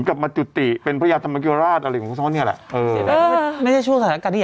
ข้าวที่เชิญมาก่อน